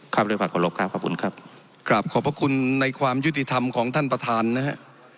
ด้วยความขอรบครับขอบคุณครับครับขอบพระคุณในความยุติธรรมของท่านประธานนะฮะ